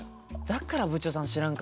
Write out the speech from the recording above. だから部長さん知らんかった。